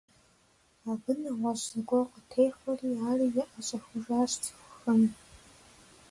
Абы нэгъуэщӏ зыгуэр къытехъуэри, ари яӏэщӏэхужащ цӏыхухэм.